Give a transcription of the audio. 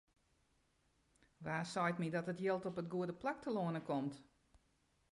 Wa seit my dat it jild op it goede plak telâne komt?